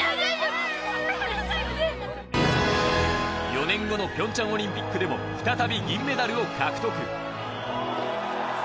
去年このピョンチャンオリンピックでも再び銀メダルを獲得。